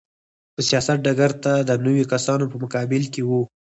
په سیاست ډګر ته د نویو کسانو په مقابل کې و.